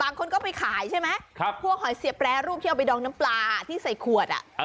บางคนก็ไปขายใช่ไหมพวกหอยเสียแปรรูปที่เอาไปดองน้ำปลาที่ใส่ขวดอ่ะ